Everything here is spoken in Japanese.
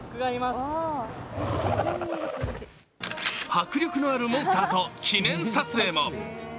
迫力のあるモンスターと記念撮影も。